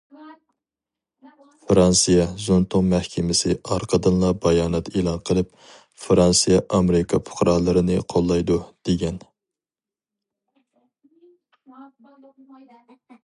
فىرانسىيە زۇڭتۇڭ مەھكىمىسى ئارقىدىنلا بايانات ئېلان قىلىپ،« فىرانسىيە ئامېرىكا پۇقرالىرىنى قوللايدۇ» دېگەن.